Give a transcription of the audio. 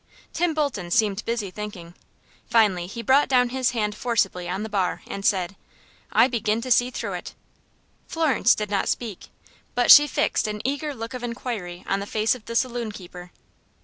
Tim Bolton seemed busy thinking. Finally he brought down his hand forcibly on the bar, and said: "I begin to see through it." Florence did not speak, but she fixed an eager look of inquiry on the face of the saloon keeper.